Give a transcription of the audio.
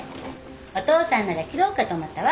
お父さんなら切ろうかと思ったわ。